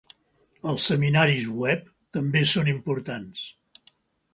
Els seminaris web també són importants.